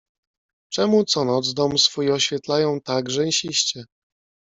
"Czemu co noc dom swój oświetlają tak rzęsiście."